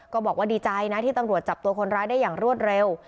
บอกว่าดีใจนะที่ตำรวจจับตัวคนร้ายได้อย่างรวดเร็ว